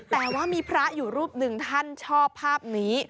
แต่ว่ามีพระอยู่รูปหนึ่งท่านชอบภาพนี้